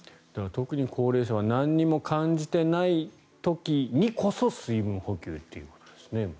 特に高齢者は何も感じてない時にこそ水分補給ということですね。